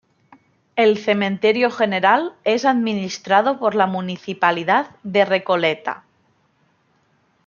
El Cementerio General es administrado por la Municipalidad de Recoleta.